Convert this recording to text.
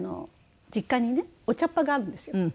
実家にねお茶っ葉があるんですよ。